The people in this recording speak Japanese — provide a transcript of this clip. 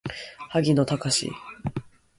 荻野貴司